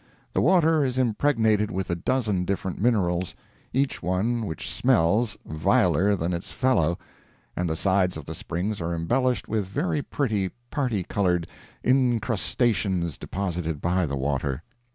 The water is impregnated with a dozen different minerals, each one of which smells viler than its fellow, and the sides of the springs are embellished with very pretty parti colored incrustations deposited by the water.